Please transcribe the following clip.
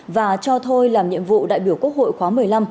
và cho thôi làm nhiệm vụ đại biểu quốc hội khóa một mươi năm